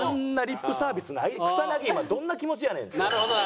今どんな気持ちやねんって。